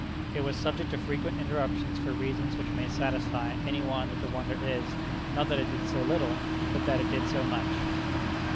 It was subject to frequent interruptions for reasons which may satisfy any one that the wonder is, not that it did so little, but that it did so much.